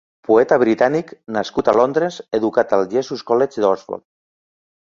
Poeta britànic, nascut a Londres, educat al Jesus College d'Oxford.